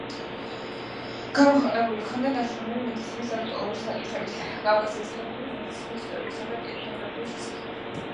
გამოქვეყნებული ჰქონდა ნაშრომები მედიცინის აქტუალური საკითხების, კავკასიის ხალხური მედიცინის, ისტორიისა და ეთნოგრაფიის შესახებ.